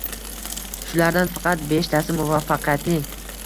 shulardan faqat beshtasi muvaffaqiyatli